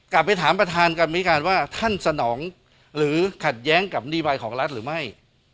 กลับไปถามประธานกรรมวิการว่าท่านสนองหรือขัดแย้งกับนโยบายของรัฐหรือไม่